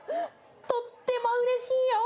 とってもうれしいよ。